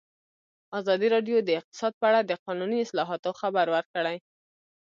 ازادي راډیو د اقتصاد په اړه د قانوني اصلاحاتو خبر ورکړی.